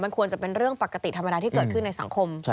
ควรจะเป็นเรื่องปกติธรรมดาที่เกิดขึ้นในสังคม